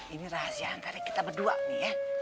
ini rahasia antara kita berdua nih ya